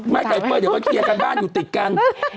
กับเป้ยเดี๋ยวก็เคลียร์กันบ้านอยู่ติดกัน